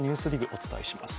お伝えします。